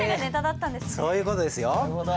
そういう事ですよ。